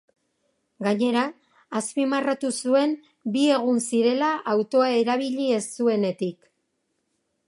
Gainera, azpimarratu zuen bi egun zirela autoa erabili ez zuenetik.